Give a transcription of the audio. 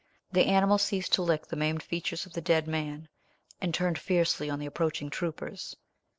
The animal ceased to lick the maimed features of the dead man, and turned fiercely on the approaching troopers.